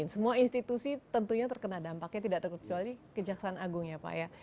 semua institusi tentunya terkena dampaknya tidak terkecuali kejaksaan agung ya pak ya